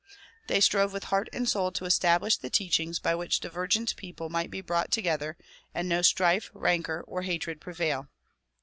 They strove with heart and soul to establish the teachings by which divergent people might be brought together and no strife, rancor or hatred prevail.